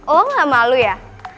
oh gak malu ya